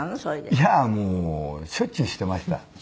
いやもうしょっちゅうしてました。